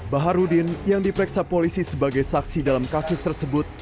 baharudin yang diperiksa polisi sebagai saksi dalam kasus tersebut